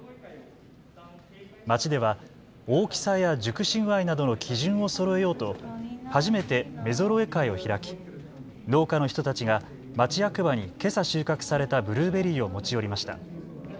町では大きさや熟し具合などの基準をそろえようと初めて目揃え会を開き、農家の人たちが町役場にけさ収穫されたブルーベリーを持ち寄りました。